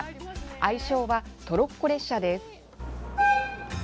愛称はトロッコ列車です。